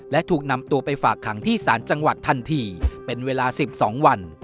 และถูกนำตัวไปฝากขังที่ศาลจังหวัดทันทีเป็นเวลา๑๒วัน